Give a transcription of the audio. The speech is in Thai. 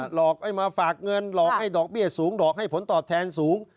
หลอกให้มาฝากเงินหลอกให้ดอกเบี้ยสูงดอกให้ผลตอบแทนสูง